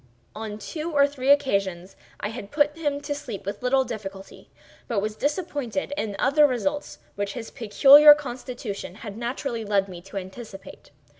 On two or three occasions I had put him to sleep with little difficulty, but was disappointed in other results which his peculiar constitution had naturally led me to anticipate.